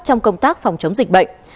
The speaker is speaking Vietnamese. trong công tác phòng chống dịch bệnh